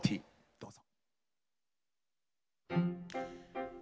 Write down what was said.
どうぞ。